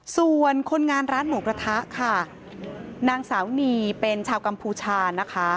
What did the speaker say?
ส่วนคนงานร้านหมูกระทะค่ะนางสาวนีเป็นชาวกัมพูชานะคะ